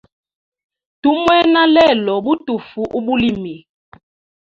Tumwena lelo butufu ubulimi.